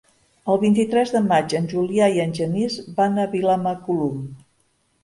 El vint-i-tres de maig en Julià i en Genís van a Vilamacolum.